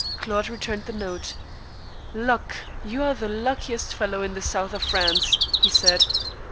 Claude returned the note. "Luck! you're the luckiest fellow in the South of France!" he said.